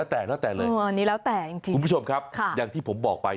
เออแล้วนี่เอาผ่าให้ดู